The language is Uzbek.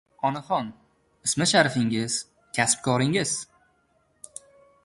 — Onaxon, ismi sharifingiz, kasb-koringiz?